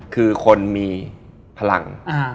คือคนมีพลัง